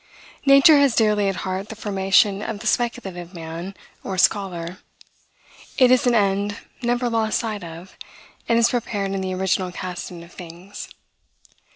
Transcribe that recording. Nature has dearly at heart the formation of the speculative man, or scholar. It is an end never lost sight of, and is prepared in the original casting of things.